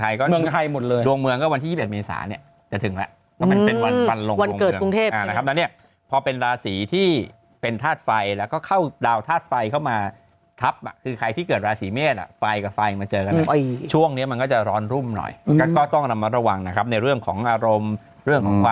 อันนี้เต้นเส้นแต่เห็นเมื่อเช้าเห็นยืน